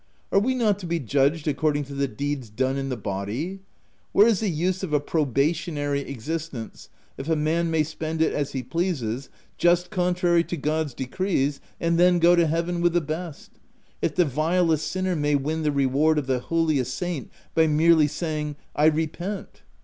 c Are we not to be judged accord ing to the deeds done in the body ? Where's the use of a probationary existence, if a man may spend it as he pleases, just contrary to God's decrees, and then go to Heaven with the best — if the vilest sinner may win the reward of the holiest saint, by merely saying, c I repent?'